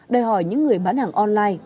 đòi hỏi những người bán hàng online